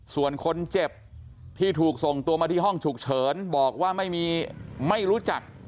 ส่วนคนเจ็บที่ถูกส่งตัวมาที่ห้องฉุกเฉินบอกว่าไม่รู้จัก